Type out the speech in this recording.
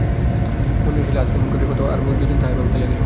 মণি আসিলে আজ কেমন করিয়া কথা আরম্ভ করিবে, যতীন তাহাই ভাবিতে লাগিল।